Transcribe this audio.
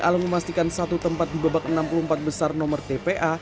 al memastikan satu tempat di babak enam puluh empat besar nomor tpa